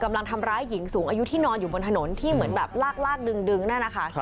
กำลังทำร้ายหญิงสูงอายุที่นอนอยู่บนถนนที่เหมือนแบบลากดึงนั่นนะคะ